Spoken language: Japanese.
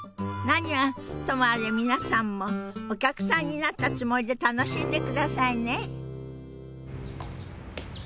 何はともあれ皆さんもお客さんになったつもりで楽しんでくださいね。